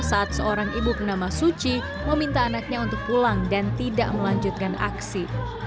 saat seorang ibu bernama suci meminta anaknya untuk pulang dan tidak melanjutkan aksi